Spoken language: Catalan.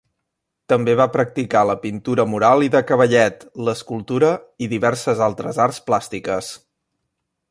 També va practicar la pintura mural i de cavallet, l'escultura i diverses altres arts plàstiques.